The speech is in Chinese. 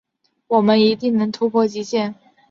我们一定能突破极限